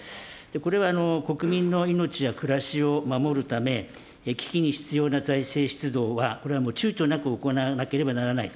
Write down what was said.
これは国民の命や暮らしを守るため、危機に必要な財政出動はこれはもうちゅうちょなく行わなければならない。